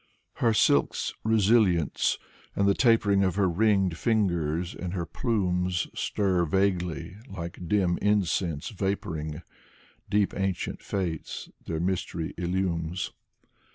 Her silks' resilience, and the tapering Of her ringed fingers, and her plumes, Stir vaguely like dim incense vaporing. Deep ancient faiths their mystery illumes.